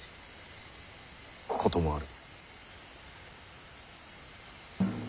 こともある。